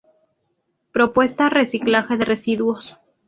Propuesta reciclaje de residuos.